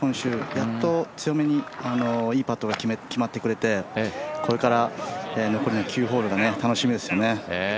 やっと強めにいいパットが決まってくれてこれから残りの９ホールが楽しみですよね。